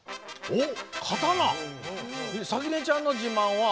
おっ！